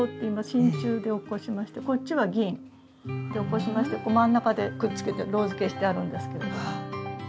真鍮で起こしましてこっちは銀で起こしまして真ん中でくっつけてロウ付けしてあるんですけど。